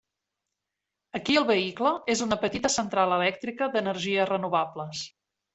Aquí el vehicle, és una petita central elèctrica d'energies renovables.